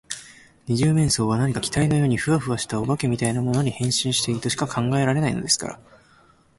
二十面相は何か気体のようにフワフワした、お化けみたいなものに、変身しているとしか考えられないのですから。